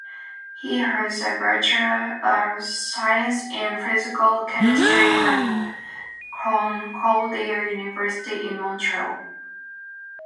He holds a Bachelor of Science in Physical Chemistry from Concordia University in Montreal.